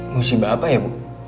musibah apa ya bu